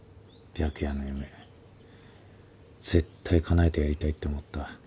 白夜の夢絶対かなえてやりたいって思った。